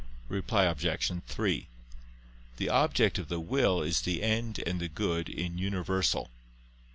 Reply Obj. 3: The object of the will is the end and the good in universal.